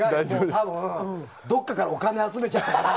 多分、どこかからもうお金集めちゃったから。